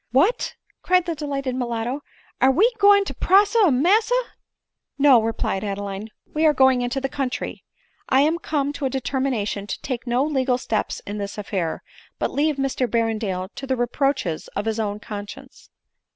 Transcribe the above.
" What !" cried the delighted mulatto, " are we going to prosecu massa ?"" No," replied Adeline, " we are going into the coun try ; I am come to a determination to take no legal steps in this affair, but leave Mr Berrendale to the reproaches of his own conscience."